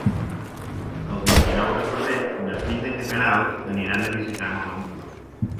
El vint-i-nou de febrer na Frida i na Queralt aniran a visitar mon oncle.